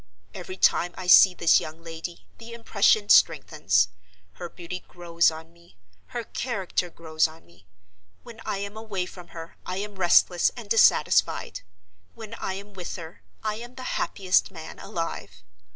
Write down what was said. Every time I see this young lady the impression strengthens; her beauty grows on me, her character grows on me; when I am away from her, I am restless and dissatisfied; when I am with her, I am the happiest man alive.